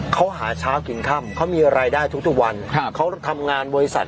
เขาหาเช้ากินค่ำเขามีรายได้ทุกวันเขาทำงานบริษัท